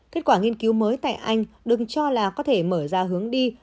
kết quả nghiên cứu mới tại anh đừng cho là có thể mở ra hướng đi